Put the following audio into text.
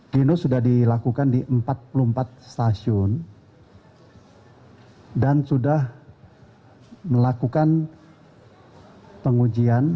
genos sudah dilakukan di empat puluh empat stasiun dan sudah melakukan pengujian